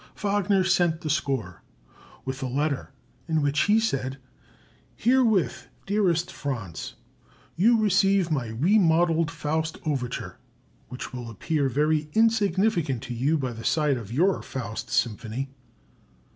Wagner sent the score, with a letter in which he said: "Herewith, dearest Franz, you receive my remodelled 'Faust' overture, which will appear very insignificant to you by the side of your 'Faust' symphony.